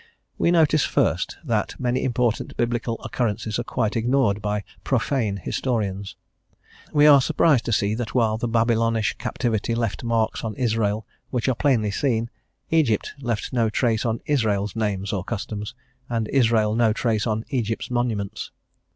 We notice first that many important Biblical occurrences are quite ignored by "profane" historians. We are surprised to see that while the Babylonish captivity left marks on Israel which are plainly seen, Egypt left no trace on Israel's names or customs, and Israel no trace on Egypt's monuments.